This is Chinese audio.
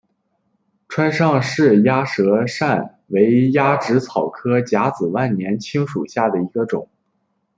川上氏鸭舌疝为鸭跖草科假紫万年青属下的一个种。